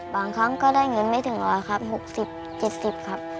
บางครั้งก็ได้เงินไม่ถึง๑๐๐ครับ๖๐๗๐ครับ